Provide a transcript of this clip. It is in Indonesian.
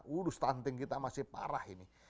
uh ustanting kita masih parah ini